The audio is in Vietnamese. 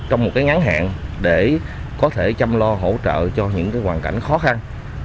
trong một cái ngắn hẹn để có thể chăm lo hỗ trợ cho những hoàn cảnh khó khăn